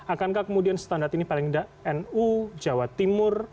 akankah kemudian standar ini paling tidak nu jawa timur